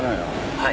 はい。